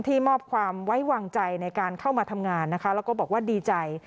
มอบความไว้วางใจในการเข้ามาทำงานนะคะแล้วก็บอกว่าดีใจ